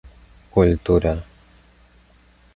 kultura